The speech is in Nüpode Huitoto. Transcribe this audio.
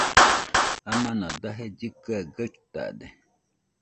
Amana daje llɨkɨaɨ gaɨtade